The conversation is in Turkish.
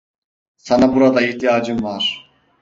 Sana burada ihtiyacım var.